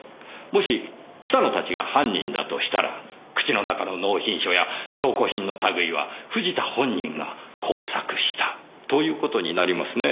もし北野たちが犯人だとしたら口の中の納品書や証拠品の類は藤田本人が工作したという事になりますね。